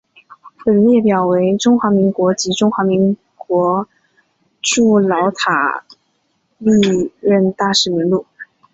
本列表为中华民国及中华人民共和国驻老挝历任大使名录。